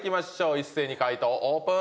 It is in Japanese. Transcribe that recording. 一斉に解答オープン。